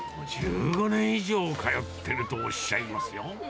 １５年以上通ってるとおっしゃいますよ。